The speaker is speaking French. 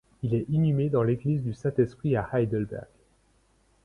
Il est inhumé dans l'église du Saint-Esprit à Heidelberg.